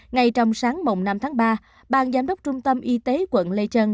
ngay trong sáng mộng năm tháng ba bàn giám đốc trung tâm y tế quận lê trân